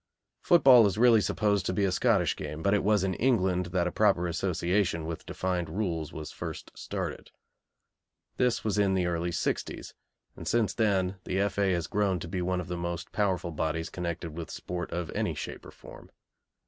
Football is really supposed to be a Scottish game, but it was in England that a proper Association with defined rules was first started. This was in the early sixties, and since then the F.A. has grown to be one of the most powerful bodies connected with sport of any shape or form.